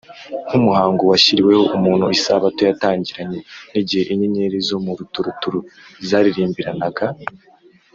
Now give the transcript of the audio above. nk’umuhango washyiriweho umuntu, isabato yatangiranye n’ “igihe inyenyeri zo mu ruturuturu zaririmbiranaga